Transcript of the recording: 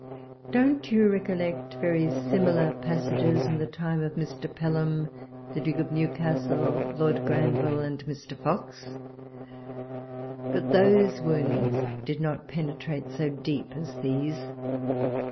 Don't you recollect very similar passages in the time of Mr. Pelham, the Duke of Newcastle, Lord Granville, and Mr. Fox? But those woimds did not penetrate so deep as. these